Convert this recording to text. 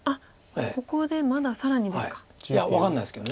ここでまだ更にですか。